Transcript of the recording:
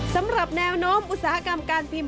สำหรับแนวโน้มอุตสาหกรรมการพิมพ์